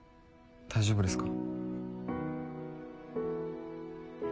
大丈夫ですか？